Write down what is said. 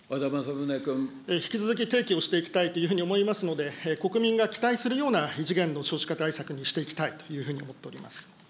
引き続き提起をしていきたいというふうに思いますので、国民が期待するような異次元の少子化対策にしていきたいというふうに思っております。